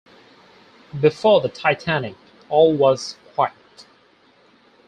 Before the "Titanic", all was quiet.